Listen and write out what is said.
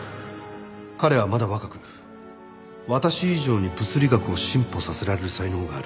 「彼はまだ若く私以上に物理学を進歩させられる才能がある」